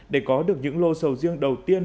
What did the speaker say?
để có được những lô sầu riêng đầu tiên